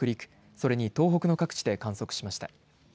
それに東北の各地で観測しました。